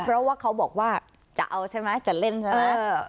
เพราะว่าเขาบอกว่าจะเอาใช่ไหมจะเล่นใช่ไหม